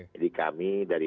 jadi kami dari